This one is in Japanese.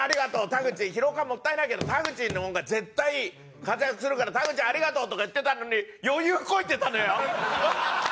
田口廣岡はもったいないけど田口の方が絶対活躍するから田口ありがとう」とか言ってたのに余裕こいてたのよ。